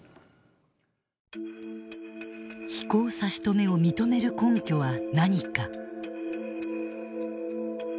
飛行差し止めを認める根拠は何か。